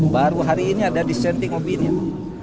baru hari ini ada dissenting opinion